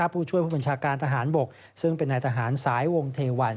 ผู้ช่วยผู้บัญชาการทหารบกซึ่งเป็นนายทหารสายวงเทวัน